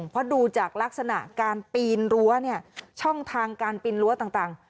เพราะดูจากลักษณะการปีนรั้วเนี่ยช่องทางการปีนรั้วต่าง